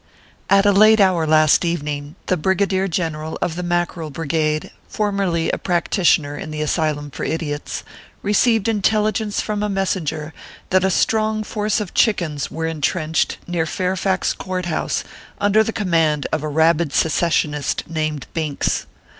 At a late hour last evening, the Brigadier General of the Mackerel Brigade (formerly a practitioner in the Asylum for Idiots) received intelligence from a messenger that a strong force of chickens were in trenched near Fairfax Court House under the com mand of a rabid secessionist named Binks.